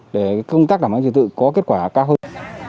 để công tác đảm bảo trật tự có kết quả cao hơn